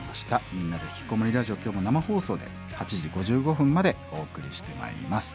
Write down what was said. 「みんなでひきこもりラジオ」今日も生放送で８時５５分までお送りしてまいります。